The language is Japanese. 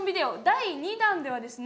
第２弾ではですね